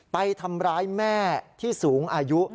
ไปทำร้ายแม่ที่สูงอายุ